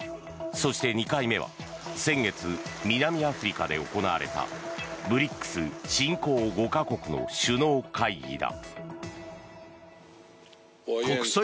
そして２回目は先月、南アフリカで行われたＢＲＩＣＳ・新興５か国の首脳会議だ。